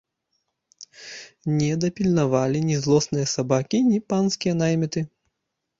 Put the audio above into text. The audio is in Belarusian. Не дапільнавалі ні злосныя сабакі, ні панскія найміты.